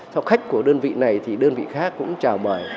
sau khách của đơn vị này thì đơn vị khác cũng chào mời